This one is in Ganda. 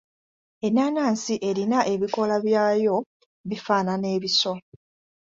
Ennaanansi erina ebikoola byayo bifaana ebiso.